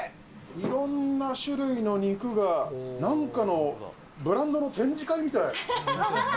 いろんな種類の肉が、なんかのブランドの展示会みたい。